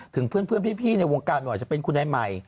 ถึงเพื่อนพี่ในวงการหน่อยจะเป็นคุณไอใหม่